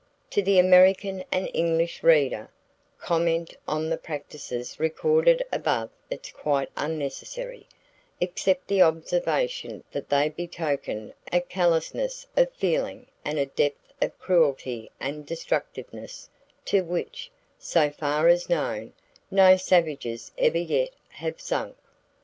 To the American and English reader, comment on the practices recorded above is quite unnecessary, except the observation that they betoken a callousness of feeling and a depth of cruelty and destructiveness to which, so far as known, no savages ever yet have sunk.